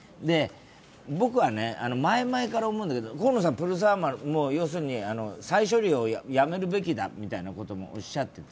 僕は前々から思うんだけど河野さん、プルサーマル再処理をやめるべきだみたいなこともおっしゃっていて